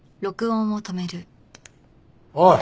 おい！